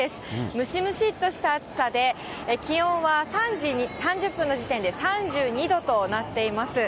ムシムシっとした暑さで、気温は３時３０分の時点で３２度となっています。